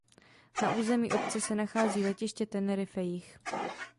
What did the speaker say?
Na území obce se nachází letiště Tenerife Jih.